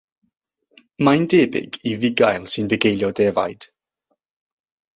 Mae'n debyg i fugail sy'n bugeilio defaid.